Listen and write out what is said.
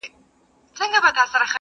په ځالۍ کي یې ساتمه نازومه -